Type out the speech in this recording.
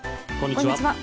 こんにちは。